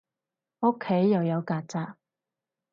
屋企又有曱甴